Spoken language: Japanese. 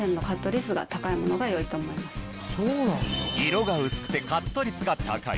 色が薄くてカット率が高い。